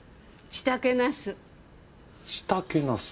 ちたけなす？